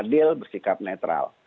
berdil bersikap netral